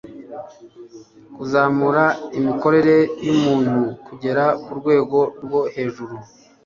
kuzamura imikorere y'umuntu kugera ku rwego rwo hejuru